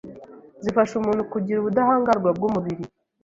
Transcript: zifasha umuntu kugira ubudahangarwa bw’umubiri